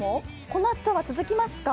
この暑さは続きますか？